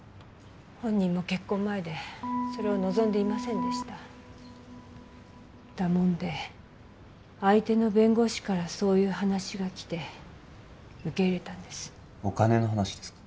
本人も結婚前でそれを望んでいませんでしただもんで相手の弁護士からそういう話が来て受け入れたんですお金の話ですか？